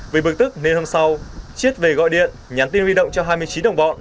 với bực tức nên hôm sau chiết về gọi điện nhắn tin huy động cho hai mươi chín đồng bọn